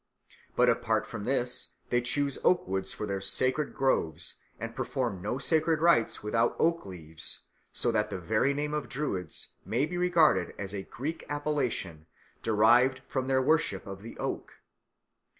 But apart from this they choose oak woods for their sacred groves and perform no sacred rites without oak leaves; so that the very name of Druids may be regarded as a Greek appellation derived from their worship of the oak.